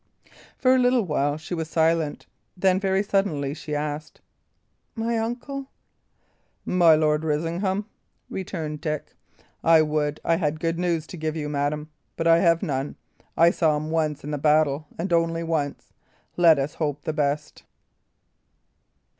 For a little while she was silent. Then, very suddenly, she asked: "My uncle?" "My Lord Risingham?" returned Dick. "I would I had good news to give you, madam; but I have none. I saw him once in the battle, and once only. Let us hope the best."